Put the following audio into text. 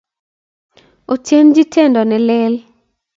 Otyenji tyendo ne leel.